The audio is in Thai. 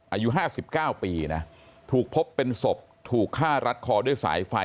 อายุห้าสิบเก้าปีน่ะถูกพบเป็นศพถูกฆ่ารัดคอด้วยสายไฟ